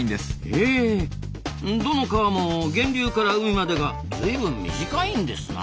へどの川も源流から海までが随分短いんですな。